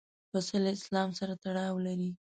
پسه له اسلام سره تړاو لري.